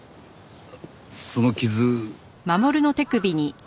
その傷。